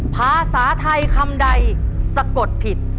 ภาษาไทยคำใดสะกดผิด